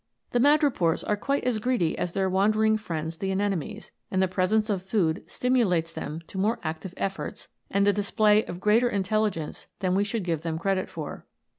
The madrepores are quite as greedy as their 136 ANIMATED FLOWERS. wandering friends the anemones, and the presence of food stimulates them to more active efforts and the display of greater intelligence than we should give them credit for.